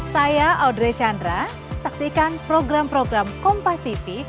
saya audrey chandra saksikan program program kompativity